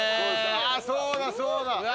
あそうだそうだ。